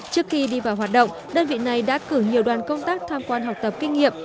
trước khi đi vào hoạt động đơn vị này đã cử nhiều đoàn công tác tham quan học tập kinh nghiệm